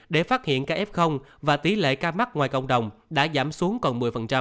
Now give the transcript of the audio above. để phát hiện ca f và tỷ lệ ca mắc ngoài cộng đồng đã giảm xuống còn một mươi